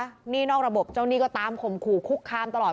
หนี้นอกระบบเจ้าหนี้ก็ตามข่มขู่คุกคามตลอด